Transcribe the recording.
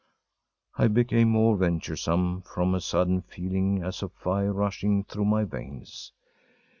I became more venturesome from a sudden feeling as of fire rushing through my veins.